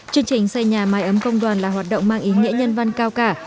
chương trình xây nhà mái ấm công đoàn là hoạt động mang ý nghĩa nhân văn cao cả